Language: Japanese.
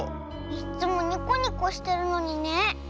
いっつもニコニコしてるのにね。